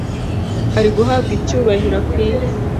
ari guhabwa icyubahiro akwiye